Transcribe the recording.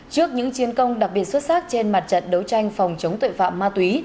trước những chiến công đặc biệt xuất sắc trên mặt trận đấu tranh phòng chống tội phạm ma túy